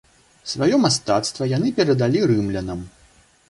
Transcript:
Сваё мастацтва яны перадалі рымлянам.